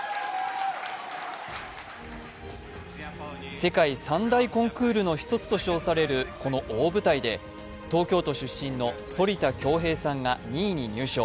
世界３大コンクールの一つと称されるこの大舞台で東京都出身の反田恭平さんが２位に入賞。